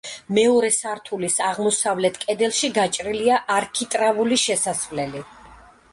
მეორე სართულის აღმოსავლეთ კედელში გაჭრილია არქიტრავული შესასვლელი.